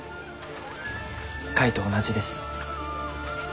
カイと同じです。